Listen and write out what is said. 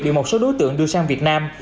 bị một số đối tượng đưa sang việt nam